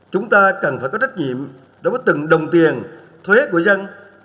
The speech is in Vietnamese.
chúng ta cần phải có trách nhiệm đối với từng đồng tiền thuế của dân